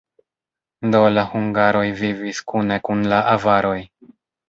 Do, la hungaroj vivis kune kun la avaroj.